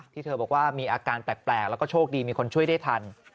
เธอบอกว่ามีอาการแปลกแล้วก็โชคดีมีคนช่วยได้ทัน